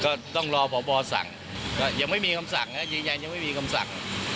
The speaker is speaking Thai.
ก็ต้องรอพบสั่งยังไม่มีคำสั่งยืนยันยังไม่มีคำสั่ง